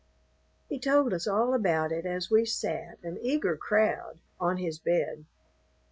He told us all about it as we sat, an eager crowd, on his bed.